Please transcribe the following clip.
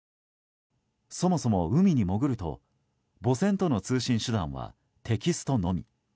そもそも、海に潜ると母船との通信手段はテキストのみ。